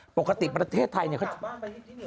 ปกติประเทศไทยเนี่ยเขาจะ